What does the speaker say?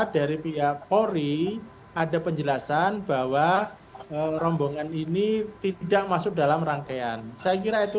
dari pihak polri ada penjelasan bahwa rombongan ini tidak masuk dalam rangkaian saya kira itu